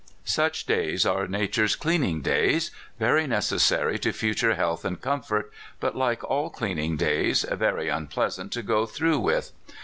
Such days are Nature's cleaning days, very neces sary to future health and comfort, but, like all cleaning days, very unpleasant to go through with.